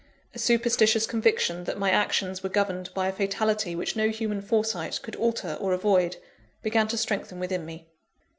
A superstitious conviction that my actions were governed by a fatality which no human foresight could alter or avoid, began to strengthen within me.